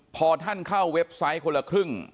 พอท่านเข้าเว็บไซต์คนละครึ่ง